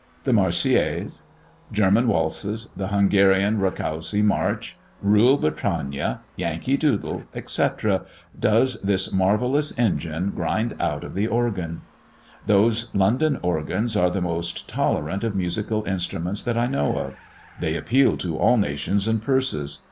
The Marseillaise, German waltzes, the Hungarian Rakowzy march, Rule Britannia, Yankee Doodle, etc., does this marvellous engine grind out of the organ. Those London organs are the most tolerant of musical instruments that I know of; they appeal to all nations and purses.